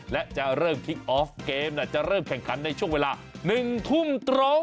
และจะเริ่มคลิกออฟเกมจะเริ่มแข่งขันในช่วงเวลา๑ทุ่มตรง